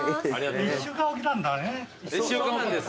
１週間置きなんだね。